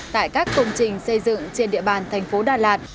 tại các công trình xây dựng trên địa bàn tp đà lạt